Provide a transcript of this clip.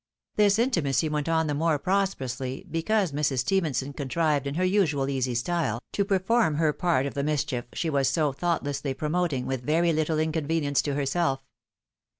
This intimacy went on the more prosperously, because Mrs. Stephen son contrived in her usual easy style, to perform her part of the mischief she was so thoughtlessly promoting, with very little inconvenience to herself.